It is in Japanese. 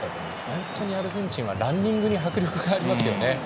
本当にアルゼンチンはランニングに迫力がありますよね。